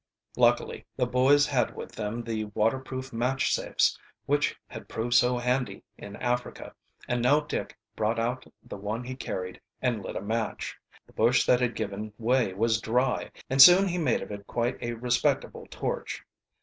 Luckily the boys had with them the waterproof match safes which had proved so handy in Africa, and now Dick brought out the one he carried and lit a match. The bush that had given way was dry, and soon he made of it quite a respectable torch.